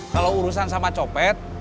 kalau urusan sama copet